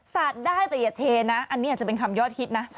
สาดได้แต่อย่าเทนะอันนี้อาจจะเป็นคำยอดฮิตนะ